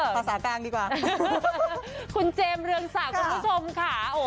ภาษากลางดีกว่าคุณเจมส์เรืองศักดิ์คุณผู้ชมค่ะ